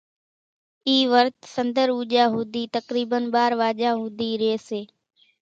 اِي ورت سنۮر اُوڄا ۿُودي تقريبن ٻار واڄا ھوڌي رئي سي